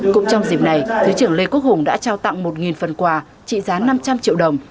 cũng trong dịp này thứ trưởng lê quốc hùng đã trao tặng một phần quà trị giá năm trăm linh triệu đồng